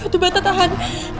batu bata tahan